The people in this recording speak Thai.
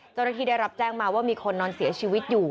จริงได้รับแจ้งมาว่ามีคนนอนเสียชีวิตอยู่